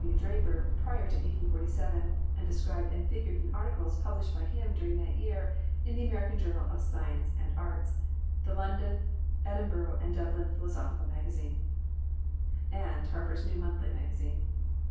W. Draper prior to 1847, an d described and figured in articles published by him during that year in the Ameri can Journal of Science and Arts, The London, Edinboro and Dublin Philosophical Magazine, and Harper's New Monthly Magazine.